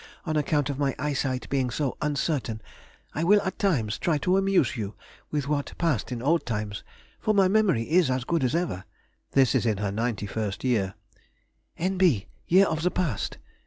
on account of my eyesight being so uncertain, I will at times try to amuse you with what passed in old times, for my memory is as good as ever [this is in her ninety first year]. (N.B.—Year of the past.)